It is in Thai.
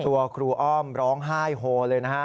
ครูอ้อมร้องไห้โฮเลยนะฮะ